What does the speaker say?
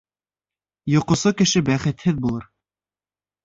Йоҡосо кеше бәхетһеҙ булыр.